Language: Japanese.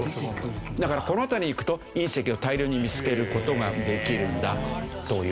だからこの辺りに行くと隕石を大量に見つける事ができるんだという。